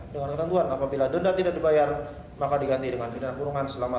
dengan ketentuan apabila denda tidak dibayar maka diganti dengan bidana kurungan selama tiga bulan